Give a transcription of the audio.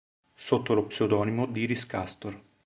Sotto lo pseudonimo d'Iris Castor